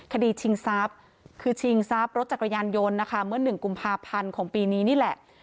คดีชิงซับคือชิงซับรถจักรยานยนต์นะคะเมื่อหนึ่งกุมภาพันธ์ของปีนี้นี่แหละ